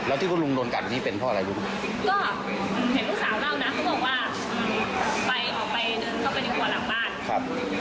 แล้วที่ก้มหลุงโรนกันจะเป็นเพราะอะไรดูป่ะ